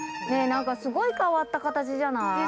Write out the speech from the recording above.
◆ねえ、なんかすごい変わった形じゃない？